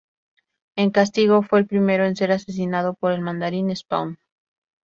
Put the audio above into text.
En castigo, fue el primero en ser asesinado por el Mandarín Spawn.